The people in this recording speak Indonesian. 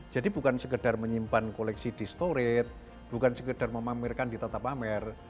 jadi bukan sekedar menyimpan koleksi di storit bukan sekedar memamerkan di tata pamer